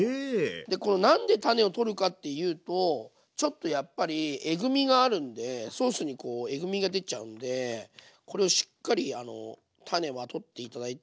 でこの何で種を取るかっていうとちょっとやっぱりえぐみがあるんでソースにえぐみが出ちゃうんでこれをしっかりあの種は取って頂いて。